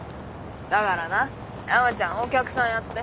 だからな山ちゃんお客さんやって。